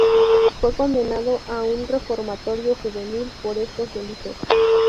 Fue condenado a un reformatorio juvenil por estos delitos.